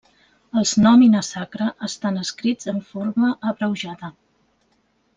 Els Nomina sacra estan escrits en forma abreujada.